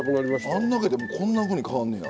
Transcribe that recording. あんだけでもこんなふうに変わんねや。